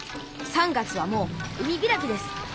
３月はもう海開きです。